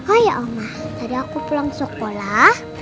oh ya oma tadi aku pulang sekolah